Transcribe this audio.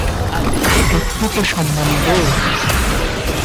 একটু তো সম্মান দে!